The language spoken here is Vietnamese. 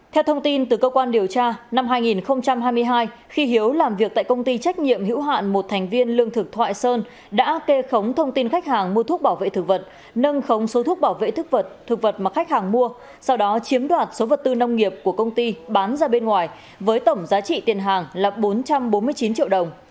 theo thông tin từ cơ quan điều tra năm hai nghìn hai mươi hai khi hiếu làm việc tại công ty trách nhiệm hữu hạn một thành viên lương thực thoại sơn đã kê khống thông tin khách hàng mua thuốc bảo vệ thực vật nâng khống số thuốc bảo vệ thực vật thực vật mà khách hàng mua sau đó chiếm đoạt số vật tư nông nghiệp của công ty bán ra bên ngoài với tổng giá trị tiền hàng là bốn trăm bốn mươi chín triệu đồng